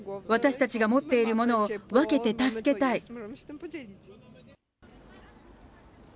私たちが持っているものを分けて助けたい。